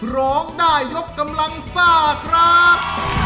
ร้องได้ยกกำลังซ่าครับ